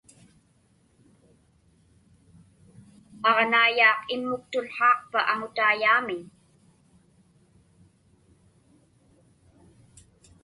Aġnaiyaaq immuktułhaaqpa aŋutaiyaamiñ?